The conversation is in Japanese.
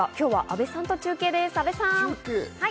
今日は阿部さんと中継です、阿部さん。